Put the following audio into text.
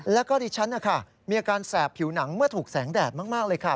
แล้วก็ดิฉันนะคะมีอาการแสบผิวหนังเมื่อถูกแสงแดดมากเลยค่ะ